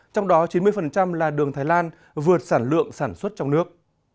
trong đó chín mươi là đường thái lan vượt sản lượng sản xuất trong nước